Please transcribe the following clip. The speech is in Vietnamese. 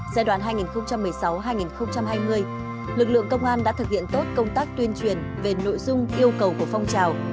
giai đoạn hai nghìn một mươi sáu hai nghìn hai mươi lực lượng công an đã thực hiện tốt công tác tuyên truyền về nội dung yêu cầu của phong trào